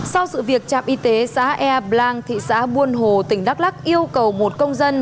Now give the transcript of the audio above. sau sự việc trạm y tế xã ea blang thị xã buôn hồ tỉnh đắk lắc yêu cầu một công dân